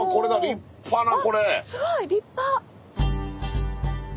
すごい立派！